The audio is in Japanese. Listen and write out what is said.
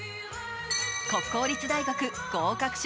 国公立大学合格者